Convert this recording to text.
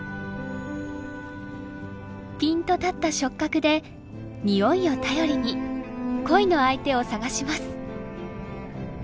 ピンと立った触角で匂いを頼りに恋の相手を探します。